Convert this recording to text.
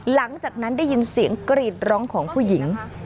หลังจากนั้นได้ยินเสียงกรีดร้องของผู้หญิง